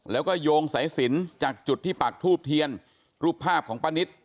แล้วก็โยงสายสินจากจุดที่ปากทูบเทียนรูปภาพของป้านิต